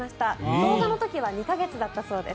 動画の時は２か月だったそうです。